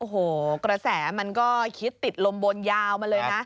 โอ้โหกระแสมันก็คิดติดลมบนยาวมาเลยนะ